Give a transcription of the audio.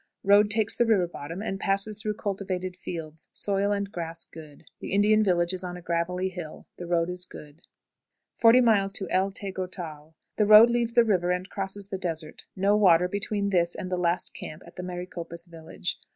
Road takes the river bottom, and passes through cultivated fields; soil and grass good. The Indian village is on a gravelly hill. The road is good. 40.00. El Tegotal. The road leaves the river and crosses the desert. No water between this and the last camp at the Maricopas' village.